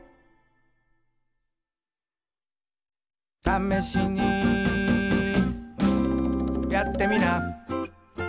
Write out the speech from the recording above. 「ためしにやってみな」